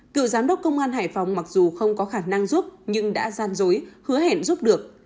cựu giám đốc công an hải phòng mặc dù không có khả năng giúp nhưng đã gian dối hứa hẹn giúp được